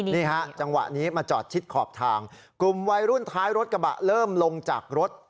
นี่ฮะจังหวะนี้มาจอดชิดขอบทางกลุ่มวัยรุ่นท้ายรถกระบะเริ่มลงจากรถ